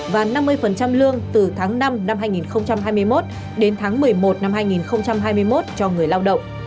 và năm mươi lương từ tháng năm năm hai nghìn hai mươi một đến tháng một mươi một năm hai nghìn hai mươi một cho người lao động